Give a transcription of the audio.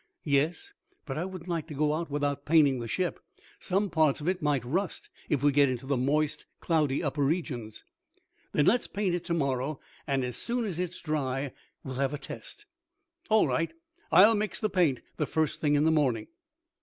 "Yes, but I wouldn't like to go out without painting the ship. Some parts of it might rust if we get into the moist, cloudy, upper regions." "Then let's paint it to morrow, and, as soon as it's dry we'll have a test." "All right. I'll mix the paint the first thing in the morning."